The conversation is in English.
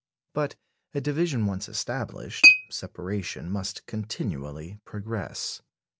But a division once established, separation must continually progress.